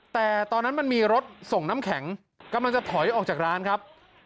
แต่ตอนนั้นมันมีรถส่งน้ำแข็งกำลังจะถอยออกจากร้านครับ